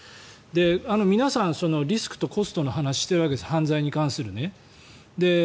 皆さんリスクとコストの話をしているわけですが犯罪に関する。